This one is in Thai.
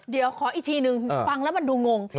เดี๋ยวขออีกทีนึงฟังแล้วมันดูงง